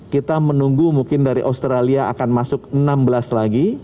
kita menunggu mungkin dari australia akan masuk enam belas lagi